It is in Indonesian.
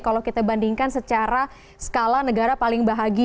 kalau kita bandingkan secara skala negara paling bahagia